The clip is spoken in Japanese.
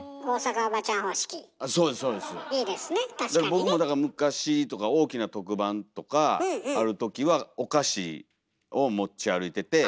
僕もだから昔とか大きな特番とかあるときはお菓子を持ち歩いてて。